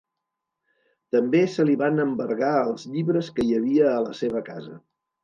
També se li van embargar els llibres que hi havia a la seva casa.